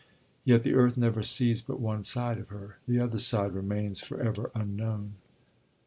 Yet the Earth never sees but one side of her; the other side remains for ever unknown.